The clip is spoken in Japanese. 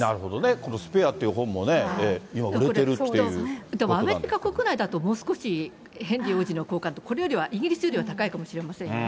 このスペアっていう本もね、今、アメリカ国内だと、もう少し、ヘンリー王子の好感度、これよりは、イギリスよりは高いかもしれませんよね。